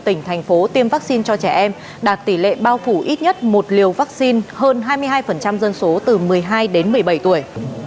một mươi tỉnh thành phố tiêm vaccine cho trẻ em đạt tỷ lệ bao phủ ít nhất một liều vaccine hơn hai mươi hai dân số từ một mươi hai đến một mươi bảy tuổi